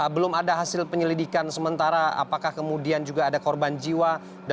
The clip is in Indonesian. belum ada hasil penyelidikan sementara apakah kemudian juga ada korban jiwa